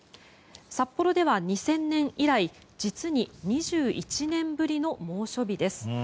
札幌では２０００年以来実に２１年ぶりの猛暑日です。